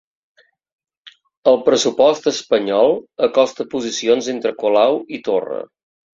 El pressupost espanyol acosta posicions entre Colau i Torra